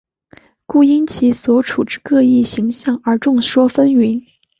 故因其所处之各异形象而众说纷纭。